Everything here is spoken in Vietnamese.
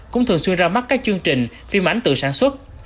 cũng thường xuyên ra mắt các chương trình phim ảnh tự sản xuất